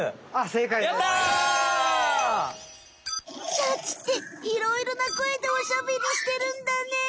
シャチっていろいろなこえでおしゃべりしてるんだね。